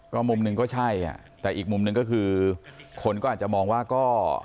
มุมหนึ่งก็ใช่แต่อีกมุมหนึ่งก็คือคนก็อาจจะมองว่าก็